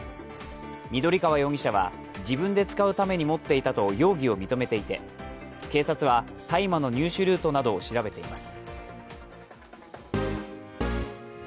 緑川容疑者は、自分で使うために持っていたと容疑を認めていて警察は大麻の入手ルートなどを調べています。